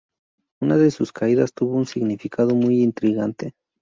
Una de sus caídas tuvo un significado muy intrigante.